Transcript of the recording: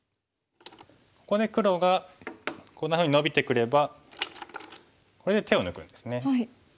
ここで黒がこんなふうにノビてくればこれで手を抜くんですね。